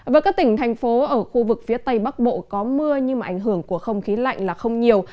với các tỉnh thành phố ở khu vực phía tây bắc bộ có mưa nhưng ảnh hưởng của không khí lạnh là không nhiều